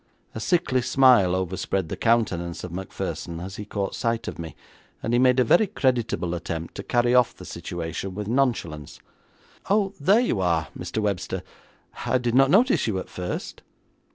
A sickly smile overspread the countenance of Macpherson as he caught sight of me, and he made a very creditable attempt to carry off the situation with nonchalance. 'Oh, there you are, Mr. Webster; I did not notice you at first.'